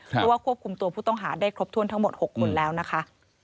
เพราะว่าควบคุมตัวผู้ต้องหาได้ครบถ้วนทั้งหมด๖คนแล้วนะคะ